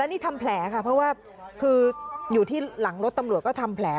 นี่ทำแผลค่ะเพราะว่าคืออยู่ที่หลังรถตำรวจก็ทำแผล